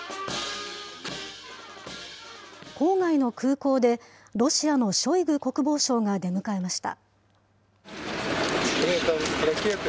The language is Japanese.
郊外の空港で、ロシアのショイグ国防相が出迎えました。